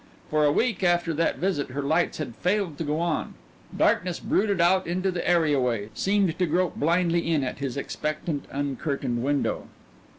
For a week after that visit her lights had failed to go on darkness brooded out into the areaway, seemed to grope blindly in at his expectant, uncurtained window.